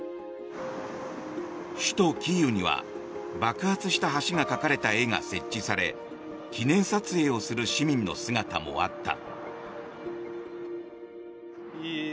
首都キーウには爆発した橋が描かれた絵が設置され記念撮影をする市民の姿もあった。